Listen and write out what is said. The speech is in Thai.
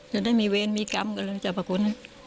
จะได้มีเวรมีกรรมก็แล้วจะประคุณ